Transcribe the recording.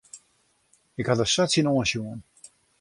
Ik ha der sa tsjinoan sjoen.